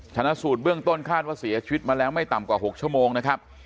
ชนะสูตรเบื้องต้นคาดว่าเสียชีวิตมาแล้วไม่ต่ำกว่า๖ชั่วโมงนะครับ